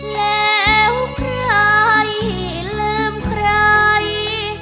แล้วใครลืมใคร